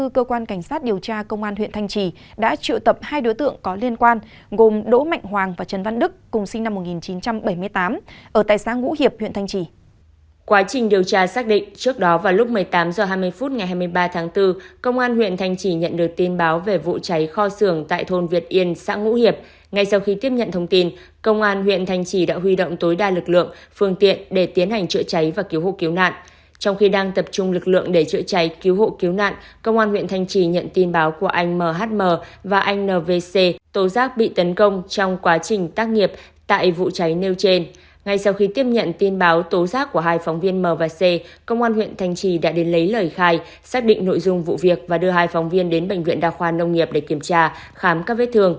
cơ quan cảnh sát điều tra công an huyện thanh trì đã tiến hành phối hợp với viện kiểm sát nhân dân huyện thanh trì đã tiến hành phối hợp với viện kiểm sát nhân dân huyện thanh trì